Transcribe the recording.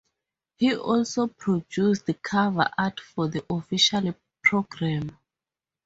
He also produced cover Art for the official programme.